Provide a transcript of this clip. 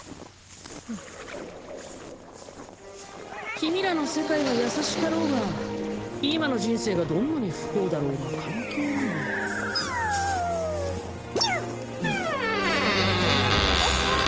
君らの世界が優しかろうが今の人生がどんなに不幸だろうが関係ないねキューキュッ！